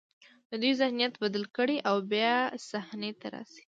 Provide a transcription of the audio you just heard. د دوی ذهنیت بدل کړي او بیا صحنې ته راشي.